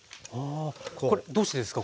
おこれどうしてですか？